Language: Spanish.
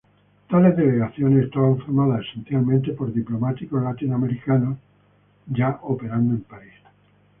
Tales delegaciones estaban formadas esencialmente por diplomáticos latinoamericanos ya operando en París.